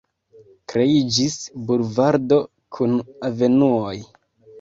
Kreiĝis bulvardo kun avenuoj.